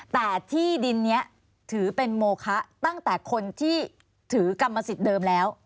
แต่ที่ดินนี้ถือเป็นโมคะตั้งแต่คนที่ถือกรรมสิทธิ์เดิมแล้ว